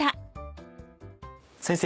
先生